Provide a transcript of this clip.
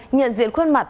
nhận diện khuôn mặt